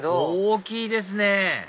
大きいですね